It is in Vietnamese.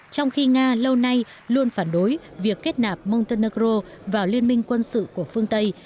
trong khi nga lâu nay luôn phản đối việc kết nạp montonero vào liên minh quân sự của phương tây